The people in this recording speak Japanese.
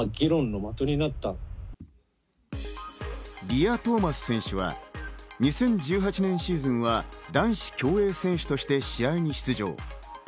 リア・トーマス選手は２０１８年シーズンは男子競泳選手として試合に出場。